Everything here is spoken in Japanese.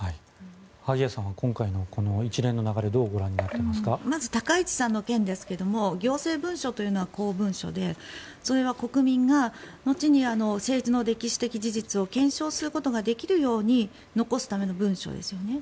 萩谷さんは今回のこの一連の流れまず高市さんの件ですが行政文書というのは公文書でそれは国民が後に政治の歴史的事実を検証することができるように残すための文書ですよね。